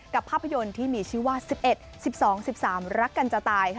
ภาพยนตร์ที่มีชื่อว่า๑๑๑๒๑๓รักกันจะตายค่ะ